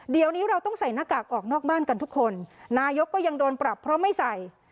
เดี๋ยวนี้เราต้องใส่หน้ากากออกนอกบ้านกันทุกคนนายกก็ยังโดนปรับเพราะไม่ใส่